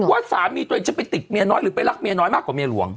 ว่าสามีตัวเองจะไปติดเมียน้อยหรือไปรักเมียน้อยมากกว่าเมียหลวง